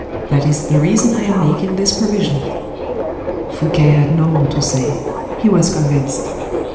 That is the reason I am making this provision." Fouquet had no more to say; he was convinced.